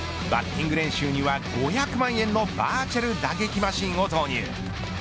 バッティング練習には５００万円のバーチャル打撃マシンを投入。